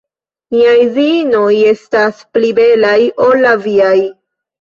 Miaj Diinoj estas pli belaj ol la viaj.